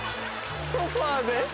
ソファで。